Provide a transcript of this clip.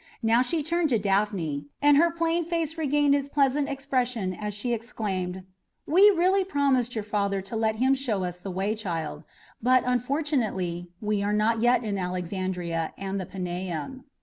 Now she turned to Daphne, and her plain face regained its pleasant expression as she exclaimed: "We really promised your father to let him show us the way, child; but, unfortunately, we are not yet in Alexandria and the Paneum."